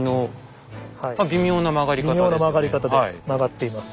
微妙な曲がり方で曲がっています。